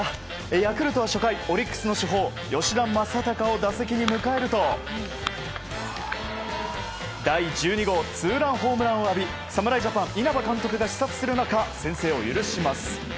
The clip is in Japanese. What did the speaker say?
ヤクルトは初回オリックスの主砲吉田正尚を打席に迎えると第１２号ツーランホームランを浴び侍ジャパン稲葉監督が視察する中先制を許します。